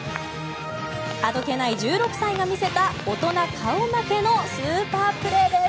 あどけない１６歳が見せた大人顔負けのスーパープレーです。